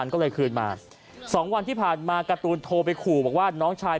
ก็เลยคืนมา๒วันที่ผ่านมาการ์ตูนโทรไปขู่บอกว่าน้องชาย